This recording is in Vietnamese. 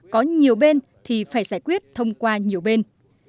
có nhiều bên thì phải giải quyết thông qua nhiều bên